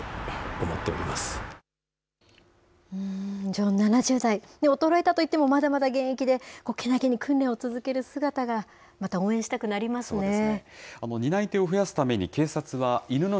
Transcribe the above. ジョン７０代、でも、衰えたといってもまだまだ現役で、けなげに訓練を続ける姿が、また応援したくなりますね。